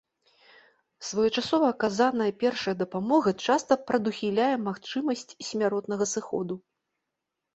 Своечасова аказаная першая дапамога часта прадухіляе магчымасць смяротнага зыходу.